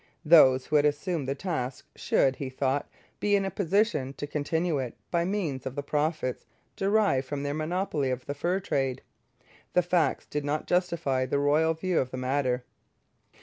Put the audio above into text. Those who had assumed the task should, he thought, be in a position to continue it by means of the profits derived from their monopoly of the fur trade. The facts did not justify the royal view of the matter.